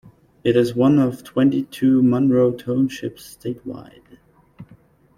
It is one of twenty-two Monroe Townships statewide.